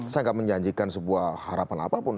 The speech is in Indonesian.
saya nggak menjanjikan sebuah harapan apapun